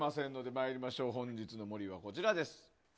参りましょう本日の森はこちら。